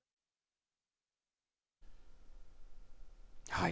はい。